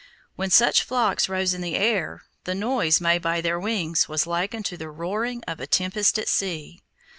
When such flocks rose in the air, the noise made by their wings was like unto the roaring of a tempest at sea.